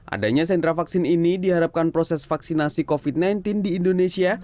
adanya sentra vaksin ini diharapkan proses vaksinasi covid sembilan belas di indonesia